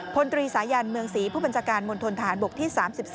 พลตรีสายันเมืองศรีผู้บัญชาการมณฑนทหารบกที่๓๔